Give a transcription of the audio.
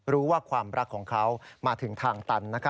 รู้ว่าความรักของเขามาถึงทางตัน